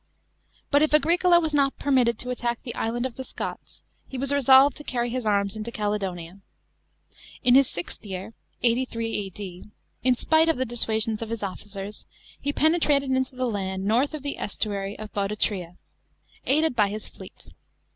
f § 5. But if Agricola was not permitted to attack the island of the Scots, he was resolved to carry his arms hvo Caledonia. In his sixth year (83 A.D.), in spite of the dissuasions of his officers, he penetrated into the land north of the sestuary of Bodotria, aich d by his fleet.